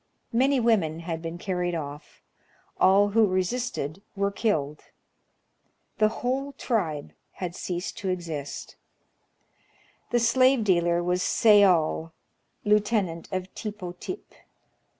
Many women had been carried oif. All who resisted were killed. The whole tribe had ceased to exist The slave dealer was Sayol, lieutenant of TippoTip."